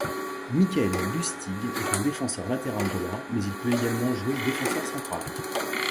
Mikael Lustig est un défenseur latéral droit mais il peut également jouer défenseur central.